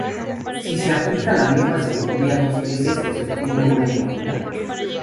Si se aplica la misma simetría dos veces, se obtiene una "identidad".